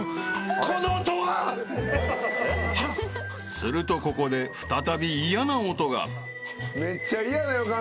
［するとここで再び嫌な音が］うわ！